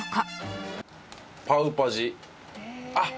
あっ！